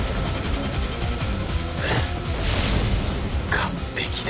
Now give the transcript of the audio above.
完璧だ